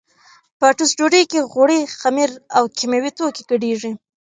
په ټوسټ ډوډۍ کې غوړي، خمیر او کیمیاوي توکي ګډېږي.